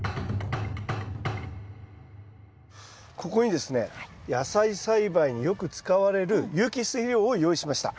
ここにですね野菜栽培によく使われる有機質肥料を用意しました。